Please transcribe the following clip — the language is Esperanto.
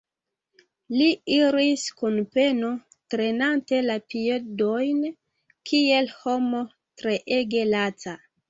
Li iris kun peno, trenante la piedojn, kiel homo treege laca.